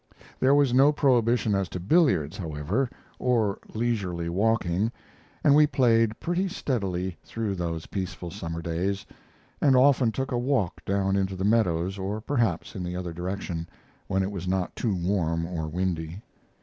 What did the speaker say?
There was no prohibition as to billiards, however, or leisurely walking, and we played pretty steadily through those peaceful summer days, and often took a walk down into the meadows or perhaps in the other direction, when it was not too warm or windy.